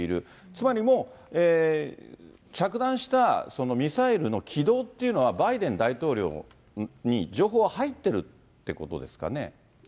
つまりもう、着弾したミサイルの軌道というのは、バイデン大統領に情報は入ってるってことですかね。